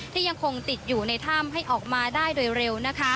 ยังคงติดอยู่ในถ้ำให้ออกมาได้โดยเร็ว